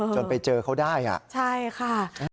จนไปเจอเขาได้ใช่ค่ะ